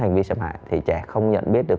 hành vi xâm hại thì trẻ không nhận biết được